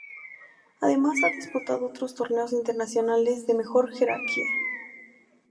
Además ha disputado otros torneos internacionales de menor jerarquía.